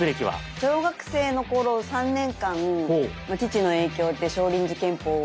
小学生の頃３年間父の影響で少林寺拳法を。